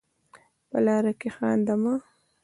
په لاره کې خانده مه.